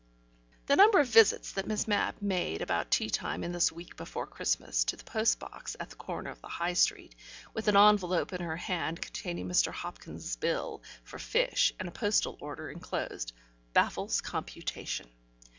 The number of visits that Miss Mapp made about tea time in this week before Christmas to the post box at the corner of the High Street, with an envelope in her hand containing Mr. Hopkins's bill for fish (and a postal order enclosed), baffles computation.